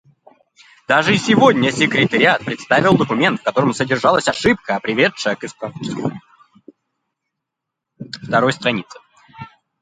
Даже сегодня секретариат представил документ, в котором содержалась ошибка, приведшая к исправлению второй страницы.